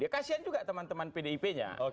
kasian juga teman teman pdip nya